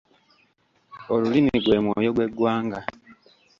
Olulimi gwe mwoyo gw'eggwanga.